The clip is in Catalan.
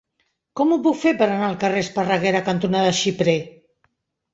Com ho puc fer per anar al carrer Esparreguera cantonada Xipre?